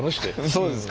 そうですか？